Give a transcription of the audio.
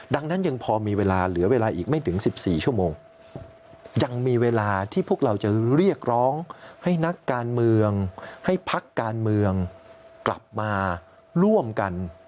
เราจะเรียกร้องให้นักการเมืองให้พักการเมืองกลับมาร่วมกัน